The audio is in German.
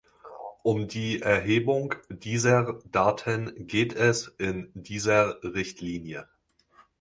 Um die Erhebung dieser Daten geht es in dieser Richtlinie.